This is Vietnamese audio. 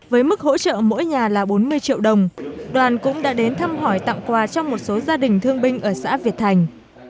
với mức hỗ trợ mỗi nhà là bốn mươi triệu đồng đoàn cũng đã đến thăm hỏi tặng quà cho một số gia đình thương binh ở xã việt thành